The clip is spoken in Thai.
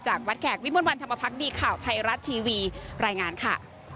วัดแขกวิมวลวันธรรมพักดีข่าวไทยรัฐทีวีรายงานค่ะ